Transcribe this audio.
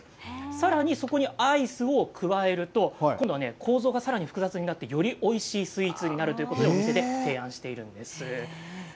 さらに、そこにアイスを加えると構造がさらに複雑になってよりおいしいスイーツになるということでお店で提案しているんです。